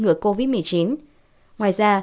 ngừa covid một mươi chín ngoài ra